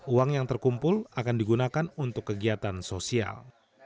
uang yang terkumpul akan digunakan untuk kegiatan sosial